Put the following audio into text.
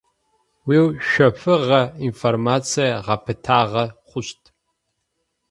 Уиушъэфыгъэ информацие гъэпытагъэ хъущт.